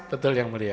betul yang mulia